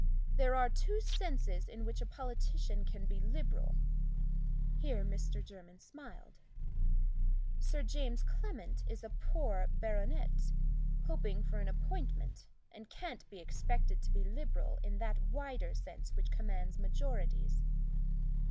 There are two senses in which a politician can be liberal" here Mr. Jermyn smiled "Sir James Clement is a poor baronet, hoping for an appointment, and can't be expected to be liberal in that wider sense which commands majorities."